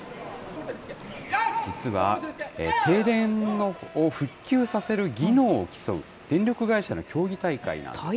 実は、停電を復旧させる技能を競う電力会社の競技大会なんです。